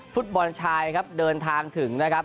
ฟุตบอลชายครับเดินทางถึงนะครับ